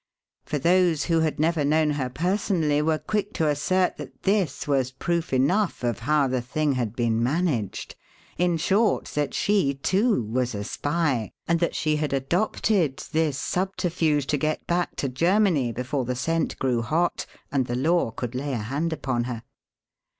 For those who had never known her personally were quick to assert that this was proof enough of how the thing had been managed. In short, that she, too, was a spy, and that she had adopted this subterfuge to get back to Germany before the scent grew hot and the law could lay a hand upon her.